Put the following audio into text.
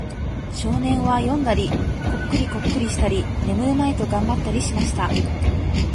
少年は読んだり、コックリコックリしたり、眠るまいと頑張ったりしました。